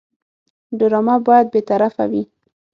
ډرامه باید بېطرفه وي